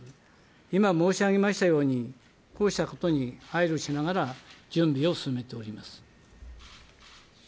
今申し上げましたように、こうしたことに配慮しながら準備を進めております。